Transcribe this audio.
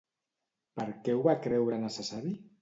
Per què ho va creure necessari?